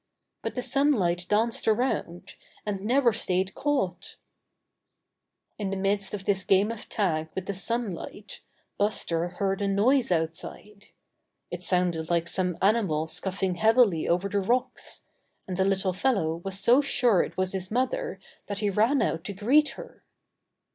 But the sunlight danced around, and never stayed caught In the midst of this game of tag with the sunlight, Buster heard a noise outside. It When Buster Was a Cub 13 sounded like some animal scuffing heavily over the rocks, and the little fellow was so sure it was his mother that he ran out to greet her.